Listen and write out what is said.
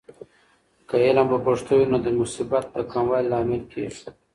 که علم په پښتو وي، نو د مصیبت د کموالي لامل کیږي.